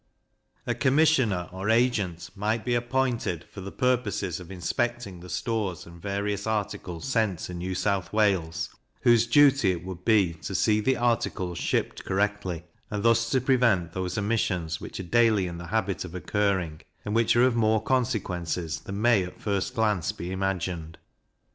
A commissioner or agent might be appointed for the purposes of inspecting the stores and various articles sent to New South Wales, whose duty it would be to see the articles shipped correctly, and thus to prevent those omissions which are daily in the habit of occurring, and which are of more consequence than may, at first glance, be imagined.